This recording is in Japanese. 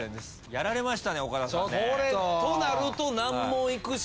やられましたね岡田さん。となると難問いくしかないか。